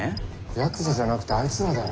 ヤクザじゃなくてあいつらだよ。